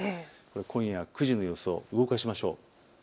今夜９時の予想、動かしましょう。